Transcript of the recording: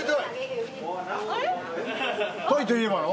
タイといえばの？